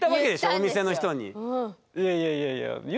お店の人に。